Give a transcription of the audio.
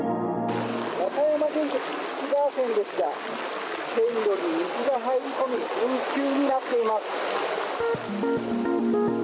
和歌山電鐵貴志川線ですが線路に水が入り込み運休になっています。